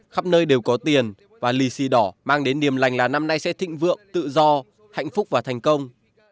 khắp nơi đều có tiền và lì xì đỏ mang đến niềm lành là năm nay sẽ thịnh vượng tự do hạnh phúc và thành công